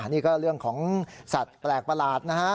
นี่ก็เรื่องของสัตว์แปลกประหลาดนะฮะ